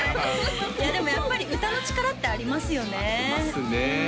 いやでもやっぱり歌の力ってありますよねありますね